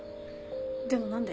でも何で？